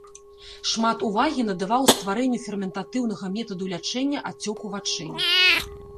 Шмат увагі надаваў стварэнню ферментатыўнага метаду лячэння ацёку вачэй.